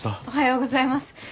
おはようございます。